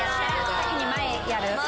先に前やる。